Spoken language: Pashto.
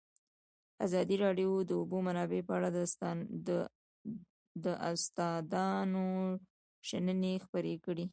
ازادي راډیو د د اوبو منابع په اړه د استادانو شننې خپرې کړي.